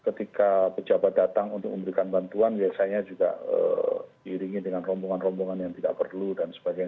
ketika pejabat datang untuk memberikan bantuan biasanya juga diiringi dengan rombongan rombongan yang tidak perlu dan sebagainya